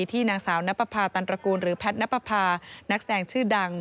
ที่นางสาวนับประพาตันตระกูลหรือแพทย์นับประพานักแสดงชื่อดัง